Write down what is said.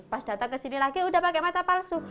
pas datang kesini lagi udah pakai mata palsu